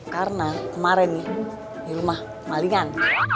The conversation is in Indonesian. karena kemarin nih rumah kemalingan